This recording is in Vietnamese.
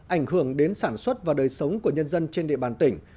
ảnh hưởng đến sản xuất và đời sống của nhân dân trên địa bàn tỉnh